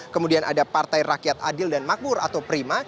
kemudian ada partai rakyat adil dan makmur atau prima